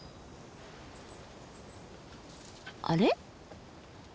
あれ？